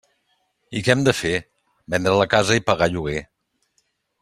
I què hem de fer: vendre la casa i pagar lloguer.